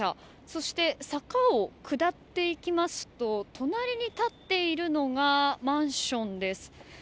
そして、坂を下っていきますと隣に立っているのがマンションです。